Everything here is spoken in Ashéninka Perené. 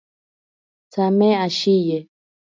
Tsame ashiye.